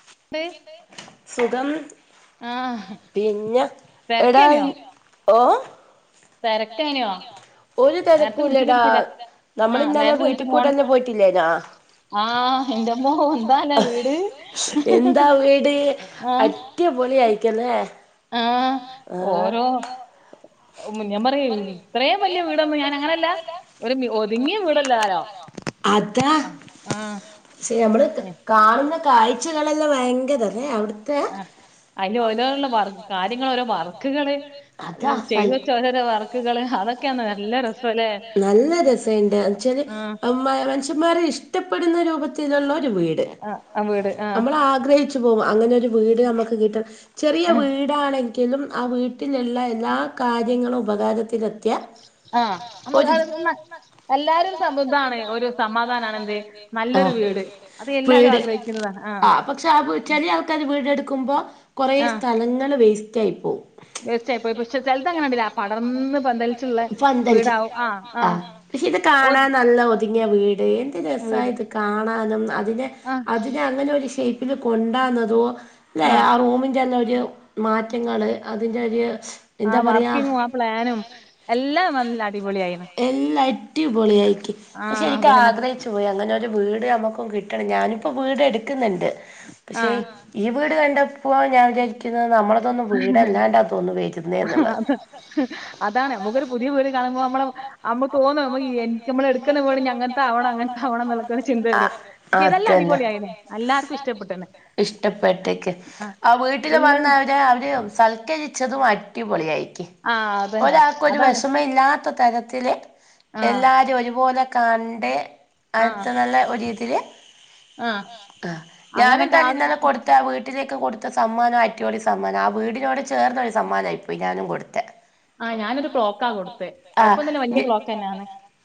[unintelligible] സുഖം ആ പിന്ന എടാ ഓ ഒരു തെരക്കുല്ലടാ നമ്മളിന്നലെ വീട്ടികൂടെന്നെ പോയിട്ടില്ലേനാ ആ എന്താ വീട് അടിയപൊളി ആയി ക്കല്ലെ ആ ഓരോ ഉം ഞാപറയെ ഇത്രേയും വലിയ വീടെന്ന് ഞാൻ അങ്ങനെയല്ല ഒരു ഒതുങ്ങിയ വീടല്ലല്ലോ അതാ നമ്മള് ചേമ്മാട് കാണുന്ന കാഴ്ചകളെല്ലാം ഭയങ്കര തന്നെ അവിടു അതെ അതാ ആ നല്ല രസണ്ട് എന്നച്ചല് അമ മനുഷ്യമാരെ ഇഷ്ടപ്പെടുന്ന രൂപത്തിലുള്ള ന്റെവിട് നമ്മൾ ആഗ്രഹിച്ചുപോവും അങ്ങനെ ഒരു വീട് നമ്മുക്ക് കിട്ട ചെറിയ വീടാണെങ്കിലും ആ വീട്ടിലുള്ള എല്ലാ കാര്യങ്ങളും ഉപകാരത്തിലെത്തിയ ആ നമ്മക്ക് [unintelligible] എല്ലാരും സംബ [inaudible] ഇതാണേ ഒരു സമാധാനണ് എന്ത് നല്ലൊരു വീട് അത് എല്ലാരും ആഗ്രഹിക്കുന്നതാണ് ആ ചില ആൾക്കാര് വിടടുക്കുമ്പോ കുറേ സ്ഥലങ്ങൾ വേസ്റ്റായി പോവും ചാന്തലിച്ച് ആ [unintelligible] പഷേ ഇത് കാണാൻ നല്ല ഒതുങ്ങിയ വീട് എന്റെ രസ ഇത് കാണാനും അതിനെ അതിനെ അങ്ങനെ ഒരു ഷേ പില്ല് കൊണ്ടാന്നതോ ഇല്ല ആ റൂമിൻ്റെല്ലാം ഒരു മാറ്റങ്ങൾ അതിൻ്റെ ഒരു ആ വർക്കിങ്ങും ആ പ്ലാനും എല്ലാം നല്ല അടിപൊളിയയിന് എല്ല അടിപൊളിയയിക്കി ശരിക്ക ആഗ്രഹിച്ചു പോയി അങ്ങനൊരു വീട് നമ്മുക്കും കിട്ടണം ഞാനിപ്പോ വീട് എടുക്കുന്നുണ്ട് പക്ഷെ ഈ വീട് കണ്ടപ്പോൾ ഞാൻ വിചാരിക്കുന്ന നമ്മളതൊന്നും വീടല്ലാണ്ടാതോന്നുന്നെ അഹ് ഹ് ഹ് അതാണ് നമ്മുക്കൊരു പുതിയ വീട് കാണുമ്പോ നമ്മള് നമ്മക്ക് തോന്നും ന എനിക്ക് നമ്മ എട ന്ന്ട്ട് പോവാ ഞങത്താവണം ആവണം അങ്ങനക്ക് ആണണം എന്നുള്ളൊക്ക ഒരു ചിന്ത വരും ഇതല്ല അടിപൊളിയായില്ലാവർക്കും ഇഷ്ടപ്പെട്ടന്നെ ഇഷ്ടപ്പെട്ട്ക്ക് ആഹ് വീട്ടിൽ വന്നവരെ അവര് സൽക്കരിച്ചതും അടിപൊളിയായ് ഒരാൾക്കൊരു വിഷമ ഇല്ലാത്ത തര ത്തിലെ എല്ലാരും ഒരുപോലെ കാണ്ടെ അത്ത നല്ലരു രീതിൽ ആ ഞാന് എന്തായാലും ഇന്നലെ കൊടുത്ത വീട്ടിലേക്ക് കൊടുത്ത സ മ്മാന്റെ അടിപ്പൊളി സമ്മനാ വീടിനോട് ചേർന്ന ഒരു സമ്മാനമായിപ്പോയി ഞാനും കൊടുത്തെ ആ ഞ്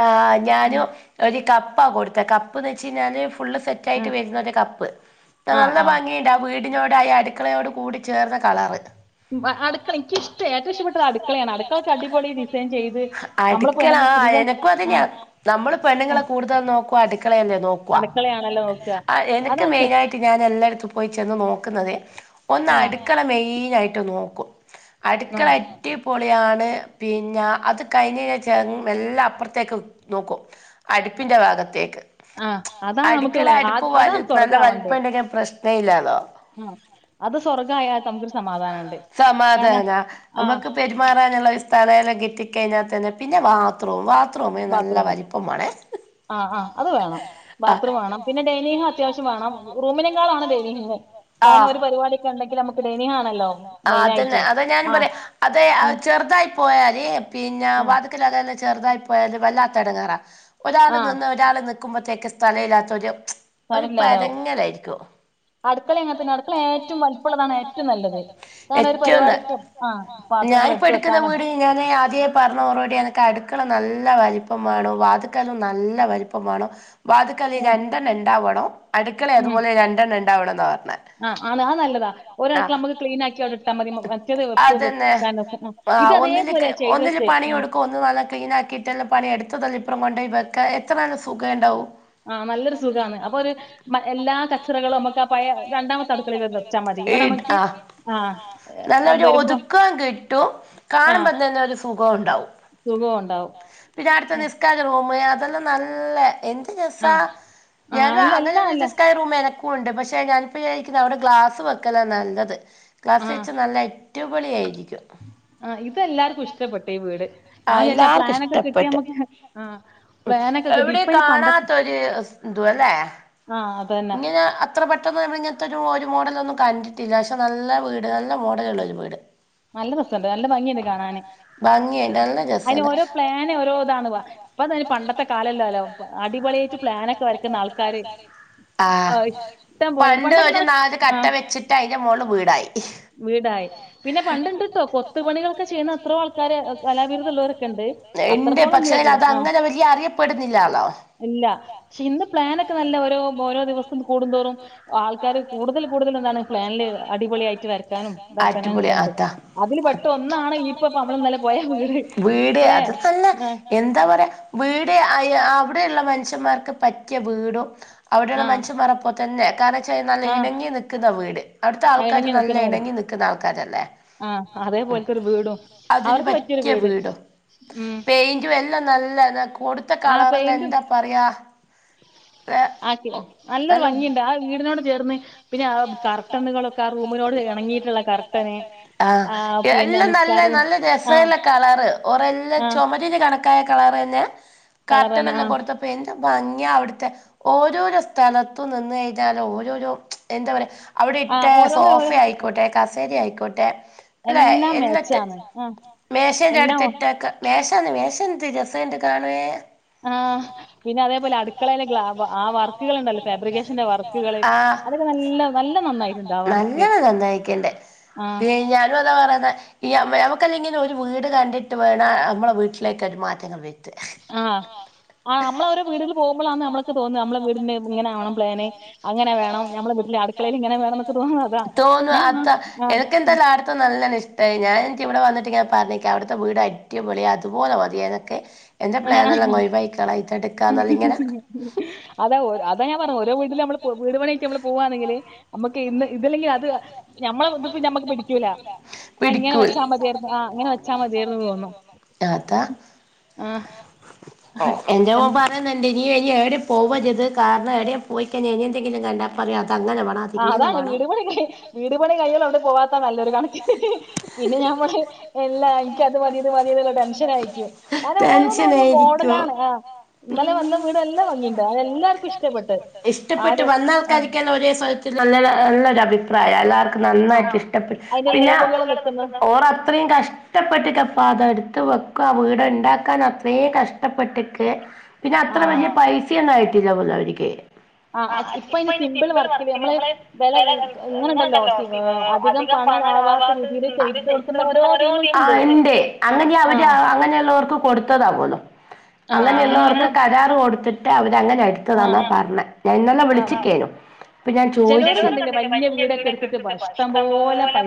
ആയി ഞാന് ഒരു കപ്പ് കൊടുത്തെ കപ്പ് ന്ന് വെച്ച കഴിഞ്ഞാല് ഫുള്ള് സെറ്റ് ആയിട്ട് വരുന്ന കപ്പ്ംനല്ല ഭംഗിണ്ട് ആ വീടി നോട് ആയ അടുക്കളയോട് കൂടി ചേർന്ന കളറ് അ അടുക്കള എനിക്ക ഇഷ്ടം ഏറ്റവും ഇഷ്ടപ്പെട്ട ഒരു അടുകളയാണ് അടുക്കളൊക്ക അടിപൊളി ഡിസൈൻ ചെയ്ത് നമ്മളിപ്പോ എന്തെങ്കിലു ആഹ് എനക്കും അതിനാ നമ്മ മ്മ പെണ്ണുങ്ങളെ കൂടു നോക്കവാ അടുക്കള ല്ലേ നോക്കുവാ എനക്ക് മെനായിട്ട് ഞാന് എല്ലായിടത്തും പോയി ചെന്ന് നോക്കുന്നത് ഒന്ന് അടുക്കള മെയിന് ആയിട്ട് നോക്കും അടുക്കള അറ്റിപൊളിയാണ് പിന്നെ അത് കഴിഞ്ഞ് ചെന്ന്എല്ലാ അപ്പുറത്തേക്ക് നോക്കും അടുപ്പിന്റെ ഭാഗത്തേക്ക് അടുക്കള അടുപ്പ് പോലെ നല്ല വലിപ്പം ഉണ്ടങ്കി പ്രശ്നേ ല്ല സമാധാന നമ്മുക്ക് പെരുമാറാനുള്ള തലേയില കിട്ടിക്കഴിഞ്ഞാൽ തന്നെ പിന്നെ ബാത്റൂം ബാത്റൂം നല്ല വലിപ്പമാണ്. ആഹ് അത് വേണം ആ ബാത്ത്റൂം വേണം പിന്നെ ദൈനീഹം അത്യാവശ്യ വേണം റൂമിനെ കാളും ആണ് വലുത് ആഹ് ആഹ് അതെന്നെ അതെ ഞാനും ഞാൻ പറയാ അതെ ചെറു തായി പോയല് പിന്നെ വാതകല് ലല ചെറുതായി പോയല് വല്ലാത്തടങ്ങാറാ ഒരാൾ നിന്ന് ഒരാൾ നിക്കുമ്പോഴത്തേക്ക് സ്ഥലമില്ലാ ഒരു ഒരു പരങ്ങല് ആയിരിക്കും അടുക്കള അങ്ങനത്തന്നെ അടുക്കള ഏറ്റവും വലുപ്പമുള്ളതാണ് ഏറ്റവും നല്ലത്, ൺ ഞാന ഒരു പരിപാടിക്ക് ആ ഞാനിപ്പോ എടുക്കുന്ന വീട് ഞാന് ആദ്യ പറഞ്ഞു റെടി എനക്ക് അടുക്കണം നല്ല നല്ല വലിപ്പമാണം വാതുക്കലും നല്ല വലിപ്പമാണം വാതുക്കല്‌ രണ്ടെണ്ണം ഇണ്ടാവണം അടുക്കളെ അതുപോലെ രണ്ടെണ്ണം ഉണ്ടാവണം എന്ന് പറഞ്ഞു ആഹ് ആ ആ നല്ലതാ ഒരാൾക്ക് നമ്മുക്ക് ക്ലീൻ ആക്കി അവിടെ ഇട്ടാ മതി മറ്റേ വെക്കാനൊക്ക ആഹ് ഒന്നിലക്ക് ഒന്നില് പണി കൊടുക്കും ഒന്ന് നല്ല ക്ലീന ആക്കിയിട്ട് എല്ലാം പണിയെടുത്ത് പുതലിപ്പറം കൊണ്ടോ വക്ക എത്രയാണ് സുഖണ്ടാവും. ആഹ് നല്ലൊരു സുഖമാണ് അപ്പൊ ഒരു എല്ലാ കച്ചറകളും നമുക്ക് ആ പയേ രണ്ടാമത്തെ അടുക്കള വച്ചാൽ മതി, ആ നല്ലൊരു ഒതുക്കം കിട്ടും, കാണുമ്പോൾ തന്നെ ഒരു സുഖം ഉണ്ടാവും പിന്നെ അടുത്ത് നിസ്കാര റൂം അതല്ല നല്ല എ ന്ന് രസാ ഞാൻ അങ്ങനെ നിസ്കാര റൂം അ [unintelligible] ക്ലാസ് വെച്ച നല്ല റ്റുപളിയായിരിക്കും ആഹ് ഇതല്ലർക്കും ഇഷ്ടപ്പെട്ടു ഈ വീട് ഞാൻ വിചാരിച്ചു ആ പ്ലാനൊക്കെ കിട്ടി നമുക്ക് ആ പ്ലേനൊക്കെ കിട്ടി ഇപ്പൊ ഇനി പണ്ടൊത്തെ ന്തുവേല്ല ഇങ്ങന അത്ര പെട്ടെന്ന് എടെ ഇങ്ങനെത്തരു രു മോഡലൊന്നും കണ്ടിട്ടില്ല പക്ഷെ നല്ല വീട് നല്ല മോഡൽ ഉള്ളാ ഒരു വീട് നല്ല രസണ്ട് നല്ല ഭംഗിയുണ്ട് കാണാന് അയിന് ഓരോ പ്ലാന് ഓരോ ഇതാണ് ഇപ്പൊ അതിന് പണ്ടത്തെ കാലല്ലാലോ [unintelligible] ആഹ് പണ്ട് ഒരു നാല് കട്ട വെച്ചിട്ട് അതിന്റെ മോളിൽ വീടായി വീടായി പിന്നെ പണ്ടുണ്ട്ട്ടോ കൊത്തുപണികളൊക്കെ ചെയ്യുന്ന എത്രയോ ആൾക്കാര് കലാപീരുതം ഉള്ളവരൊക്കെ ഉണ്ട് അത്രത്തോളം അ അത് അങ്ങനെ വലിയ അറിയപ്പെടുന്നില്ലാലോ? ഇല്ല പക്ഷെ ഇന്ന് പ്ലാനൊക്കെ നല്ല ഓരൊ ഓരോ ദിവസം കൂടുതോറും ആൾക്കാര് കൂടുതൽ കൂടുതൽ എന്താണ് പ്ലാനില് അടിപൊളിയയിട്ട് വരക്കാനും താക്കാനും. അത വീട് അത് തന്ന എന്താ പറയാ വീട് ടെ അവിടെയുള്ള മനുഷ്യന്മാർക്ക് പറ്റിയ വീടും അവിടെയുള്ള മനുഷ്യന്മാർ പോൽതനെ കാരണം നല്ല ഇണങ്ങി നിക്കുന്ന വീട് അവിട്‌ത്തെ ആൾക്കാർ നല്ല ഇണങ്ങി നിക്കുന്ന ആൾക്കാരല്ലേ ആഹ് അതേപോലത്തെരു വീടും അവർക്ക് പറ്റിയൊരു വീട് പെയിന്റും എല്ലാം നല്ല എന്ന കൊടുത്ത കളറെല്ലാം എന്താ പറയാ. ആക്കി നല്ലൊരു ഭംഗിയുണ്ട് ആ വീടിനോട് ചേർന്ന് പിന്നെ ആ കർട്ടനുകളൊക്കെ ആ റൂമിനോട് ഇണങ്ങിയിട്ടുള്ള കർട്ടന് ആഹ് എല്ലാം നല്ല നല്ല രസുള്ള കളറ് ഓറെല്ലാം ചുമരി കട്ടയായ കളറെന കട്ട കൊട്തപ്പോ എന്ത് ഭംങ്ങിയ അവടത്തെ ഓരോരോ സ്ഥലത്തു നിന്ന് കഴിഞ്ഞാലും ഓരോരോ എന്താ പറയാ. അവിടെ ഇട്ട് സോഫ ആയിക്കോട്ടെ കസേര ആയിക്കോട്ടെ. ല്ലെ എന്നിട്ട് മേശേന്റെ അടുത്തിട്ടക് മേഷന്ന് മേഷഎന്ത് രസണ്ട് കാണേ ആഹ് പിന്നെ അതേപോലെ അടുക്കളയിലെ ഗ്ലാബ് ആ വർക്കുകൾ ഉണ്ടല്ലോ ഫാബ്രിക്കേഷന്റെആ വർക്കുകൾ. അതൊക്കെ നല്ല നല്ല നന്നായിട്ട്ണ്ട് ആ വർക്ക്. പി ഞാനും അതാ പറയുന്ന ഈ മ്മ നമുക്കല്ലെങ്ങനെ വീട് കണ്ടിട്ട് വേണ നമ്മളെ വീട്ടിലേക്ക് അത്‌ മാറ്റണത്. ആഹ് ആ നമ്മള രൊ വീട്ടില് പോകുമ്പോളാണ് നമ്മുക്ക് തോന്നുവ നമ്മള വീടിന്റ ഇങ്ങനാവ ണം പ്ലേന്. തോന്നു അത്ത എനക്ക്ന്തായാല അടുത്ത നല്ല ഇഷ്ട ഞാന എനിക്ക് ഇവിടെ വന്നിട്ട് ഞാൻ പറഞ് ക്ക അവിടത്തെ വീട് അടിപൊളിയ അതുപലെ മതി എന്നക്കെ. ആ അതാ അതാ ഞാൻ പറഞ്ഞ ഓരോ വീട്ടും നമ്മള് വീടുപണി ആയിട്ട് നമ്മള് പോവാണെങ്കിൽ നമുക്ക് ഇന്ന് ഇതല്ലെങ്കിൽ അത് ഞമ്മളെ ഞമ്മക്ക് പിടിക്കൂല. ആ ഇങ്ങനെ വെച്ചാ മതിയായിര്ന്ന് ആഹ് ഇങ്ങനെ വെച്ചാൽ മതിയായിർന്ന് തോന്നും. അതാ ആഹ് എന്റെ മോൻ പറന്നുണ്ടിനീ കഴി നി എവിടെ പോകരുത് കാരണം എടെയയാ പോയിക്കാ ഇ എന്തെങ്കിലും കണ്ടാ പറയാ ആതാണ് വീട് പണി വീട് പണി കൈയല്ലോണ്ട് പോവാത്ത നല്ലൊരു കണക്കിന് പിന്നെ നമ്മൾ എല്ലാ എനിക്കത് മതി ഇതുമതി ല്ല ടെൻഷനയിരിക്കും. അങ്ങന ഓരോന്നന്ന് ഓരോ മോഡല ആണ് ആഹ് ഇന്നലെ വന്ന വീടെ എല്ലാം ഭംഗിയൂണ്ട് അത് എല്ലാവർക്കും ഇഷ്ടം ഇഷ്ടപ്പെട്ട് വന്ന ആൾക്കാരികെല്ലാം ഒരേ സ്വരത്തിൽ നല്ലരു അഭിപ്രായ എല്ലാർക്കും. നന്നായിട്ട് ഇഷ്ടപ്പെടും പിന്നെ ഓർത്രയും കഷ്ടപ്പെട്ടിട്ടെ പാ അതെടു ഇതവെക്കാൻവീട്ണ്ടാക്കാൻ അത്രേ കഷ്ടപ്പെട്ടിക്ക്. പിന്നെ അത്ര വലിയ പൈസെന്നും ആയിട്ടില്ല പോല അവർക്ക് ആ ഇപ്പ അതിന് സിമ്പിൾ വർക്കില് നമ്മള് വില ഇങ്ങനെണ്ടല്ലോ അതി [unintelligible] അങ്ങനെ അവര് അങ്ങനെയുള്ളവർക്ക്. കൊടുത്തതാവോല്ലോ അങ്ങനെയുള്ളവർക്ക് കരാറ് കൊടുത്തിട്ട്. ട്ട് അവര്ങ്ങനെ എടുത്തതന്നാ പറഞ്ഞ ഞാൻ ഇന്നല്ലെ വിളിച്ചിക്കേനു. ഇപ്പൊ ഞാൻ ചോദിച്ചു കണ്ടില്ല വല്യ വീടൊക്കെ എടുത്തിട്ട് ഭഷ്ടം പോലെ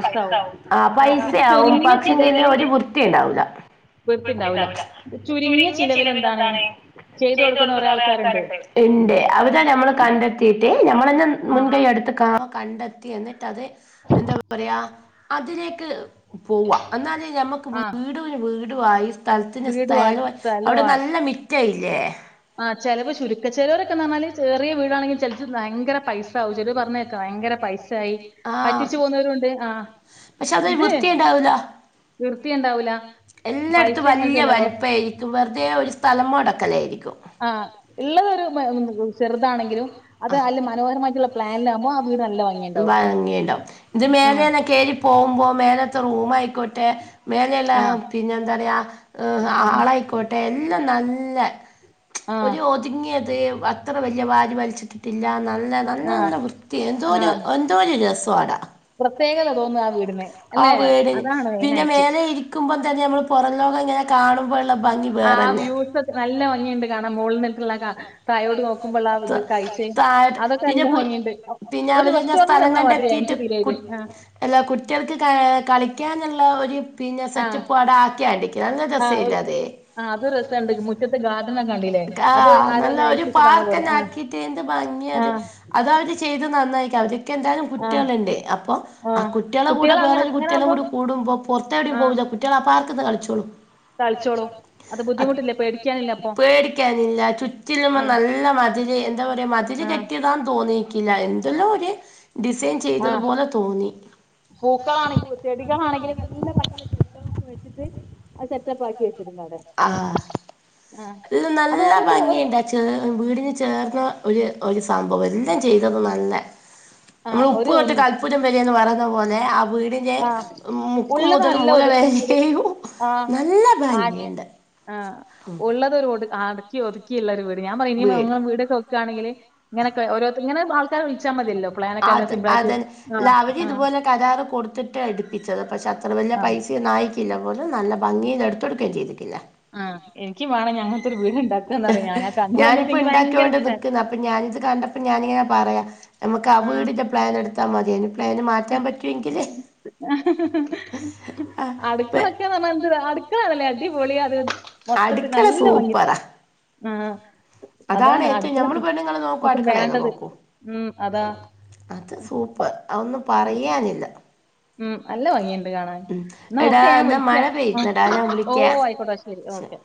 പൈസവും. പക്ഷെ ണ്ടെ ഒരു വൃത്തിണ്ടാവൂല വീർത്തിണ്ടാവൂല ചുരുങ്ങിയ ചിലവൽ എന്താണ് ചെയ്ത് കൊടുക്കുന്ന ഒറെ ആൾക്കാരുണ്ട്. ഉം നഞമ്മൾ കണ്ടെത്തിട്ട് നമ്മളന്നെ മുൻകൈ എടുത്തക്ക കണ്ടെത്തി എന്നിട്ട്ത് എന്താ പറയാ അതിന് ക്ക് പോവാ എന്നാല നമക്ക് വീട് ന് വീട് ആയി സ്ഥലത്തിന് സ്ഥല അവിടെ നല്ല മിറ്റയില്ലേ ആ ചിലപ്പോ ചുരുക്ക ചിലവരൊക്കന്ന് പറഞ്ഞാല് ചെറിയ വീടാണെങ്കിൽ ചില ഭയങ്കര പൈസ ആ ചെരി പറഞ്ഞേക്ക ഭയങ്കര പൈസ ആയി പറ്റിച്ചു പോന്നവരുും ഉണ്ട് ആ പക്ഷെ അതൊരു വൃത്തിയുണ്ടാവൂല വൃത്തിയുണ്ടാവില്ല എല്ലായിടത്തും വലിയ വലിപ്പായിരിക്കും വെറുതെ ഒരു സ്ഥലമോട ക്കലയായിരിക്കും ആഹ ഇളത്തൊരു ചെറുതാണെങ്കിലും അത് അല് മനോഹരമായിട്ടുള്ള പ്ലാനില ആകുമ്പോ ആ വീട് നല്ല ഭംഗിയണ്ടാവും ആ പോകുമ്പോ മേലത്തെ റൂം ആയിക്കോട്ട് വേലെല്ല പിന്നെ എന്താ പറയുക ഹാൾആയിക്കോട്ടെ എല്ലാം നല്ല ഒരു ഒതുങ്ങിയത് അത്ര വലിയ വാരി വലിച്ചിട്ടിട്ടില്ല ന നല്ല നല്ല നല്ല വൃത്തി എന്തോ ഒരു എന്തോ രസട ആ വീടി പിന്നെ മേലെ ഇരിക്കുമ്പോ ന്നെ നമ്മള് പുറലോകം ഇങ്ങനെ കാണുമ്പോഴള്ള ഭംഗി വേറെന്നെ [inaudible] താഴത്തു പിന്നെ [inaudible] കഴഞ്ഞൽ സ്ഥലം കണ്ട എത്തിട്ട് കുറ്റ് എല്ലാ കുട്ടികൾക്ക് കളിക്കാനുള്ള ഒരു പിന്നെ സെറ്റപ്പ്ട ആ ആ ആ അതൊ രസുണ്ട് മുറ്റത് ഗാർഡ ആഹ് നല്ല ഒരു പാർക്കന്നെ ആക്കിട്ടേന്ത് ഭംഗിയത് അത് ചെയ്ത് നന്നായിക്ക എന്തായാലും കുട്ടികളുണ്ട് അപ്പൊ ആ കുട്ടികളെ കൂടെ വേറൊരു കുട്ടികളും കൂടെ കൂടുമ്പോ പുറത്തെ എവിടെയും പോവുല കുട്ടികള പാടത് തളിച്ചോളോ അത് ബുദ്ധിമുട്ടില്ലേ പേടിക്കാനില്ല അപ്പൊ പേടിക്കാനില്ല ചുറ്റിലും നല്ല മതിൽ എന്താ പറയുക മതിൽ കെറ്റിയതാെന്ന് തോന്നി ക്കില്ല എന്തല്ലോ ഓര് ആ പൂകളാണ് ചെടികളാണ് ആണെങ്കിൽ നല്ല ഭംഗി ഒ വെച്ചിട്ട് അത് സെറ്റപ്പ് ആാക്കി വെച്ചിരുന്നവിടെ അതിന് നല്ല ഭംഗിയുണ്ടാ ചേർ വീടിന് ചേർന്ന ഒരു ഒരു സംഭവം എല്ലാം ചെയ്തത് നല്ല നമ്മൾ ഉപ്പ് തൊട്ട് കർപ്പൂരം വരെന്ന് പറ പോലെ ലെ അ വീടിന്റെ ഉ മുക്ക് മുതൽ മൂലവരെ നല്ല ഭംഗിയുണ്ട് ആഹ ഉള്ളതൊരു ഓട് അടക്കി ഒതുക്കി ഉള്ളൊരു വീട് ഞാൻ പറ വീടൊക്കെ വെക്കുകണെങ്കിൽ ഇങ്ങനെ രോ ഇനെ ആൾക്കെ വിളിച്ചാ മതിയല്ലോ പ്ലാൻ എക്കെ എല്ലാം സിമ്പിൾ ആയിട്ട് ലഅവര് ഇതുപോലെ കരാറ് കൊടു ത്തിട്ടാണ് അടിപ്പിച്ചത് പക്ഷെ അത്ര വലിയ പൈസ ഒന്നായിട്ടില്ല പോലെ നല്ല ഭംഗി ടുക്ക ചെയ്തിക്കില്ല എനിക്ക് വേണം ഞങ്ങനത്തെ ഒരു വീട്ണ്ടാക്ക ഞാനിപ്പോ ഇണ്ടാക്കൊണ്ട് നിക്കുന്ന്‌ അപ്പൊ ഞാനിത് കണ്ടപ്പോ ഞാന ങ്ങനെ പറയാ നമുക്ക് ആ വീടിന്റെ പ്ലാൻ എടുത്താൽ മതി യാന് പ്ലാന് മാറ്റാൻ പറ്റുമെങ്കില് അടുക്കളൊക്കെ എന്ത് അടുക്കാണല്ലേ അടിപൊളി അത് മൊ നല്ല ഭംഗിഉണ്ട് [unintelligible] മ്മ് അതാണ് അടുക്കളൊക്കെ നമക്ക് വേണ്ടത് ഉം അതാ അത് സൂപ്പർ അ ഒന്നും പറയാനില്ല ഉം അല്ല ഭാങ്ങിയണ്ട് കാണാൻ എന്ന ഓക്കെ ഞാൻ വിളിക്ക ഓ ആയിക്കോട്ടെ ശരി ഓക്കെ